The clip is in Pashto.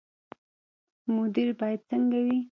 مدیر باید څنګه وي؟